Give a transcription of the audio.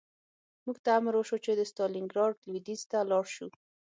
موږ ته امر وشو چې د ستالینګراډ لویدیځ ته لاړ شو